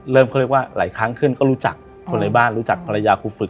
เขาเรียกว่าหลายครั้งขึ้นก็รู้จักคนในบ้านรู้จักภรรยาครูฝึก